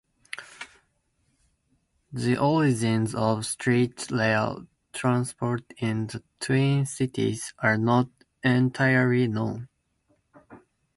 The origins of street rail transport in the Twin Cities are not entirely known.